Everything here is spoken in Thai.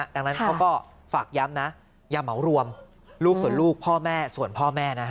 ดังนั้นเขาก็ฝากย้ำนะอย่าเหมารวมลูกส่วนลูกพ่อแม่ส่วนพ่อแม่นะ